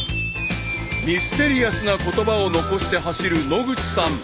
［ミステリアスな言葉を残して走る野口さん］